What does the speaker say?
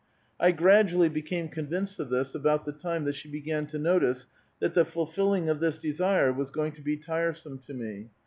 I gradually became convinced of this about the time that she began to notice that the fulfilling of this desire was going to be tiresome to me.